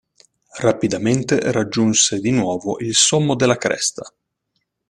Rapidamente raggiunse di nuovo il sommo della cresta.